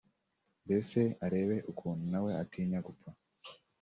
mbese arebe ukuntu nawe atinya gupfa